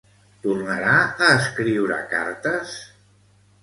Tornarà a escriure cartes?